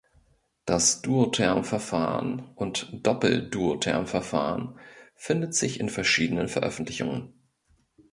Das "Duotherm-Verfahren" und "Doppel-Duotherm-Verfahren" findet sich in verschiedenen Veröffentlichungen.